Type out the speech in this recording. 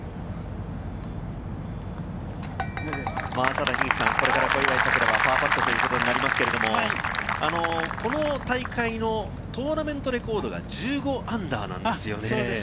ただ、これから小祝さくらはパーパットということになりますけれど、この大会のトーナメントレコードが−１５なんですよね。